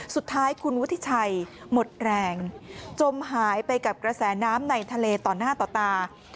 สุดท้ายคุณวุฒิชัยหมดแรงจมหายไปกับกระแสน้ำในทะเลต่อหน้าต่อตา